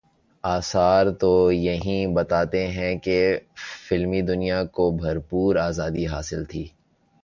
آثار تو یہی بتاتے ہیں کہ فلمی دنیا کو بھرپور آزادی حاصل تھی۔